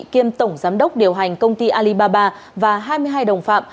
kiêm tổng giám đốc điều hành công ty alibaba và hai mươi hai đồng phạm